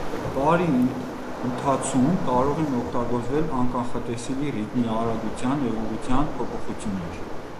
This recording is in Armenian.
Պարի ընթացում կարող են օգտագործվել անկանխատեսելի ռիթմի, արագության և ուղղության փոփոխություններ։